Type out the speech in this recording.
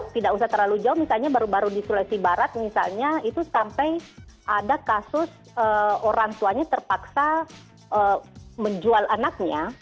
tidak usah terlalu jauh misalnya baru baru di sulawesi barat misalnya itu sampai ada kasus orang tuanya terpaksa menjual anaknya